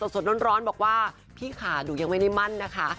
สดร้อนบอกว่าพี่ค่ะหนูยังไม่ได้มั่นนะคะ